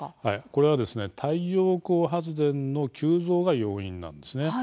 これはですね太陽光発電の急増が要因なんです。